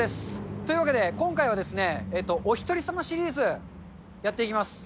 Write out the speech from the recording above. というわけで、今回はおひとり様シリーズやっていきます。